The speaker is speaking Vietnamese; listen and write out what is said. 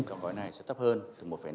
các ngân hàng sẽ thấp hơn từ một năm